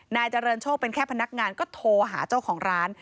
นายเจริญโชคเป็นแค่พนักงานก็โทรหาเจ้าของร้าน